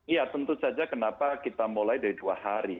ya tentu saja kenapa kita mulai dari dua hari